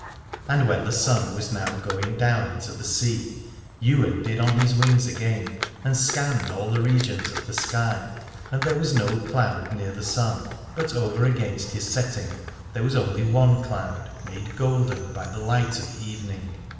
And when the sun was now going down into the sea Ywain did on his wings again, and scanned all the regions of the sky: and there was no cloud near the sun, but over against his setting there was one only cloud, made golden by the light of evening.